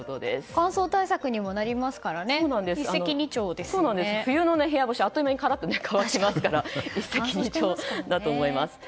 乾燥対策にもなりますから冬の部屋干しはあっという間にカラッと乾きますから一石二鳥だと思います。